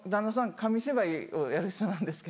紙芝居をやる人なんですけど。